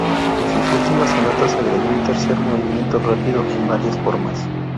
En sus últimas sonatas agregó un tercer movimiento rápido en varias formas.